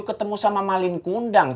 ketemu sama malin kundang